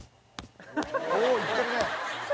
「おおいってるね」